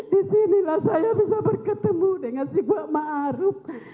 disinilah saya bisa berketemu dengan si kuat maruf